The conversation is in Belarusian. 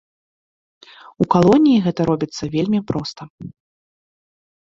У калоніі гэта робіцца вельмі проста.